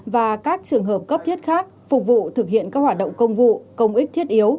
và các trường hợp cấp thiết khác phục vụ thực hiện các hoạt động công vụ công ích thiết yếu